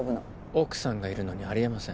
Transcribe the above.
奥さんがいるのにありえません。